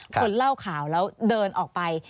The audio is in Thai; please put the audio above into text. คนเล่าข่าวแล้วเดินออกไป